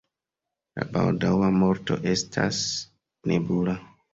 La baldaŭa morto estas nebula.